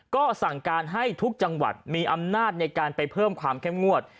ก็สั่งการให้ทุกจังหวัดมีอำนาจในการไปเพิ่มความเข้มงวด